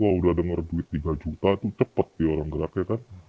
kalau sudah mendapatkan uang tiga juta itu cepat diorang geraknya kan